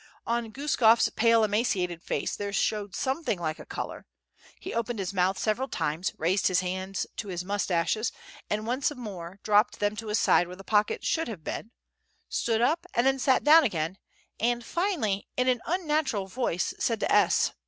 On Guskof's pale emaciated face there showed something like a color; he opened his mouth several times, raised his hands to his moustaches, and once more dropped them to his side where the pockets should have been, stood up, and then sat down again, and finally in an unnatural voice said to S.